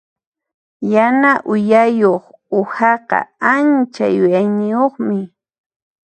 Yana uyayuq uhaqa ancha yuyayniyuqmi.